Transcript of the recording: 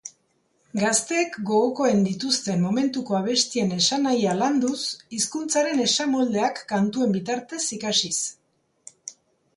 Gazteek gogokoen dituzten momentuko abestien esanahia landuz, hizkuntzaren esamoldeak kantuen bitartez ikasiz.